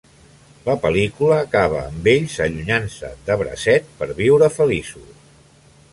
La pel·lícula acaba amb ells allunyant-se, de bracet, per viure feliços.